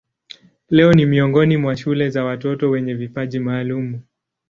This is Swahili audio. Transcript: Leo ni miongoni mwa shule za watoto wenye vipaji maalumu.